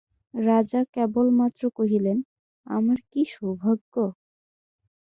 রাজা কেলবমাত্র কহিলেন, আমার কী সৌভাগ্য!